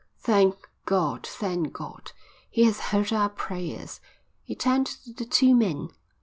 "Thank God! thank God! He has heard our prayers." He turned to the two men.